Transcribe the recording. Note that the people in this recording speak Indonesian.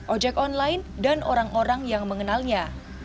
ojek online dan orang orang yang mengenalnya